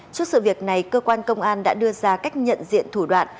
trước sự việc này cơ quan công an đã đưa ra cách nhận diện thủ đoạn